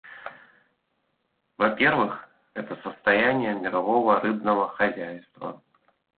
Во-первых, это состояние мирового рыбного хозяйства.